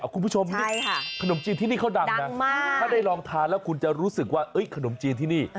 คุณผู้ชมขนมจีนที่นี่เขาดังนะถ้าได้ลองทานแล้วคุณจะรู้สึกว่าขนมจีนที่นี่